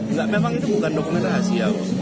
enggak memang itu bukan dokumen rahasia